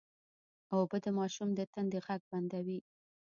اوبه د ماشوم د تندې غږ بندوي